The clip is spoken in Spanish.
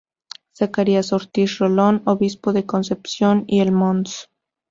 Zacarías Ortiz Rolón, obispo de Concepción, y el Mons.